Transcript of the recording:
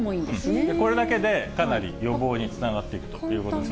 これだけでかなり予防につながっていくということです。